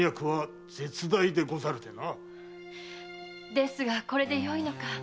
ですがこれでよいのか。